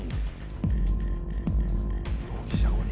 容疑者５人。